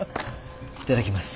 いただきます。